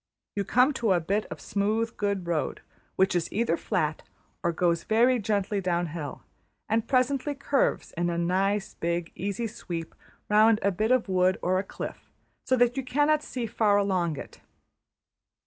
You come to a bit of smooth, good road, which is either flat or goes very gently down hill; and presently curves in a nice, big, easy sweep round a bit of wood or a cliff, so that you cannot see far along it.